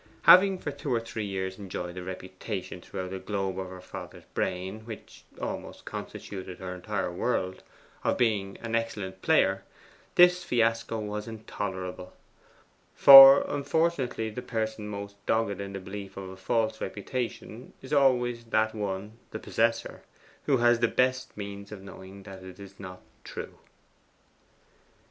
Having for two or three years enjoyed the reputation throughout the globe of her father's brain which almost constituted her entire world of being an excellent player, this fiasco was intolerable; for unfortunately the person most dogged in the belief in a false reputation is always that one, the possessor, who has the best means of knowing that it is not true.